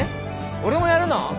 俺もやるの？